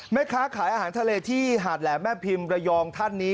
แม่ค้าขายอาหารทะเลที่หาดแหลมแม่พิมพ์ระยองท่านนี้